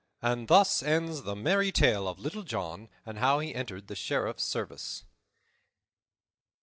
And thus ends the merry tale of Little John and how he entered the Sheriff's service.